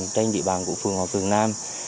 trên địa bàn của phường hòa phường nam